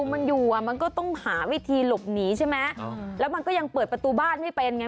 มันอยู่อ่ะมันก็ต้องหาวิธีหลบหนีใช่ไหมแล้วมันก็ยังเปิดประตูบ้านไม่เป็นไง